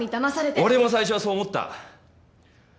俺も最初はそう思った。